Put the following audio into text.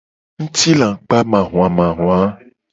Ngutilakpamahuamahua.